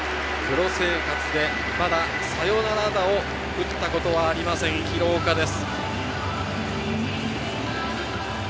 プロ生活でまだサヨナラ打を打ったことはありません、廣岡です。